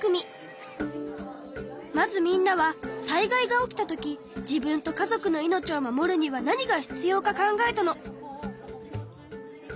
まずみんなは災害が起きた時自分と家族の命を守るには何が必要か考えたの。